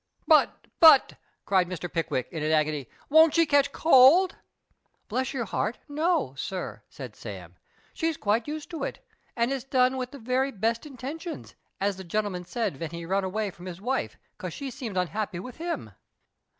" But — but —" cried Mr. Pickwick, in an agony, " won't she catch cold ?"" Bless your heart, no, sir," said Sam, " she's quite used to it, and it's done with the very best intentions, as the gcn'l'man said ven he run away from his wife, 'cos she seemed unhappy with him."